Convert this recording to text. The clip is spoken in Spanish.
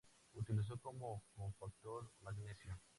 Utiliza como cofactor magnesio.